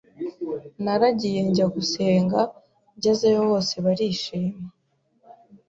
Naragiye njya gusenga, ngezeyo bose barishima